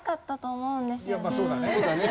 やっぱそうだね。